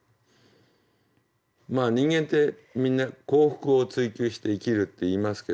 まあ人間ってみんな幸福を追求して生きるっていいますけどね。